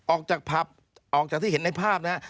ออกจากผับออกจากที่เห็นในภาพนะฮะ